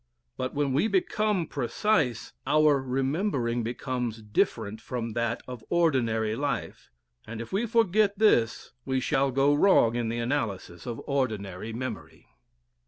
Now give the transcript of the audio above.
But when we become precise, our remembering becomes different from that of ordinary life, and if we forget this we shall go wrong in the analysis of ordinary memory.